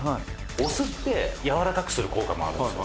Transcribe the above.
「お酢ってやわらかくする効果もあるんですよ」